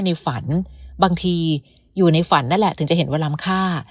ในฝันบางทีอยู่ในฝันนั่นแหละถึงจะเห็นว่าล้ำค่า